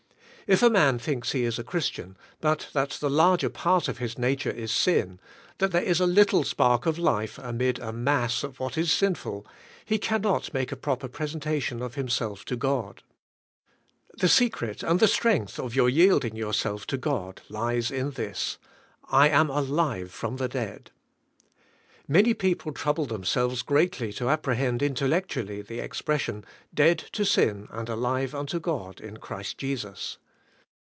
If a man thinks he is a Christian, but that the larger part of his nature is sin, that there is a little spark of life amid a mass of what is sinful, he cannot make a properpresentationof himself to God. The secret and the strength of your yielding your self to God lies in this: / am alive from the dead. Many people trouble themselves greatly to appre hend intellectually the expression, Dead to sin and alive unto God in Christ Jesus."